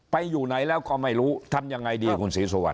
อยู่ไหนแล้วก็ไม่รู้ทำยังไงดีคุณศรีสุวรร